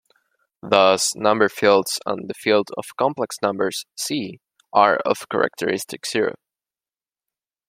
Thus, number fields and the field of complex numbers C are of characteristic zero.